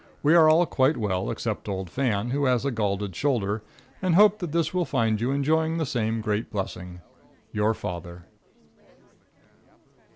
We are all quite well, except old Fan, who has a galded shoulder, and hope this will find you enjoying the same great blessing. Your Father.